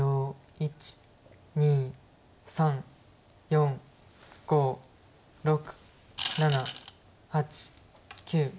１２３４５６７８９。